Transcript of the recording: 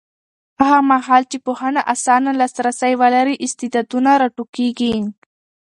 هغه مهال چې پوهنه اسانه لاسرسی ولري، استعدادونه راټوکېږي.